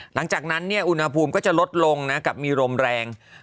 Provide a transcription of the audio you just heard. หลังจากนั้นอุณหภูมิก็จะลดลงนะกับมีลมแรง